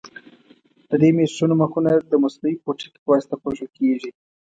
د دې میټرونو مخونه د مصنوعي پوټکي په واسطه پوښل کېږي.